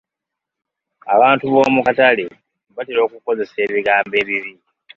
Abantu b'omu katale batera okukozesa ebigambo ebibi.